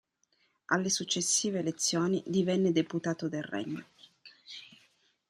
Alle successive elezioni divenne Deputato del Regno.